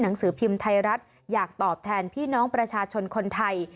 หนังสือพิมพ์ไทยรัฐอยากตอบแทนพี่น้องประชาชนคนไทย